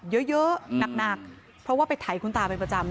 เยอะหนักเพราะว่าไปไถคุณตาเป็นประจำ